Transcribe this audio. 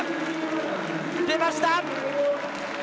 出ました！